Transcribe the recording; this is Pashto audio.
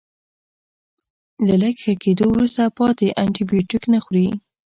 له لږ ښه کیدو وروسته پاتې انټي بیوټیک نه خوري.